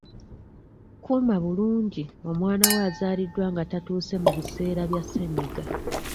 Kuuma bulungi omwana wo azaaliddwa nga tatuuse mu biseera bya ssenyiga.